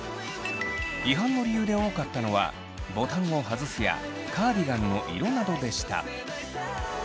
違反の理由で多かったのはボタンを外すやカーディガンの色などでした。